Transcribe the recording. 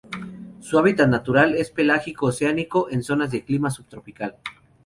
Su hábitat natural es pelágico oceánico, en zonas de clima subtropical.